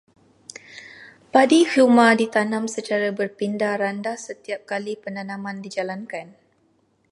Padi huma ditanam secara berpindah-randah setiap kali penanaman dijalankan.